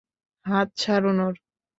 হাত ছাড়ুন ওর।